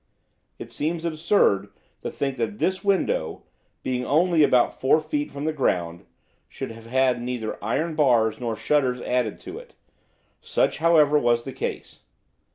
It seems absurd to think that this window, being only about four feet from the ground, should have had neither iron bars nor shutters added to it; such, however, was the case.